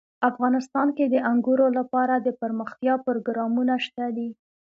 افغانستان کې د انګورو لپاره دپرمختیا پروګرامونه شته دي.